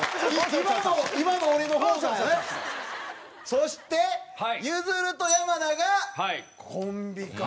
そしてゆずると山名がコンビか。